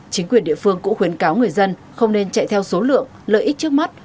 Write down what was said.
chính quyền địa phương cũng khuyến cáo người dân không nên chạy theo số lượng lợi ích trước mắt